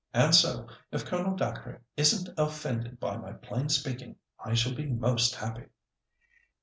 And so, if Colonel Dacre isn't offended by my plain speaking, I shall be most happy."